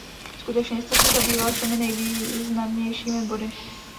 Skutečně jste se zabýval všemi nejvýznamnějšími body.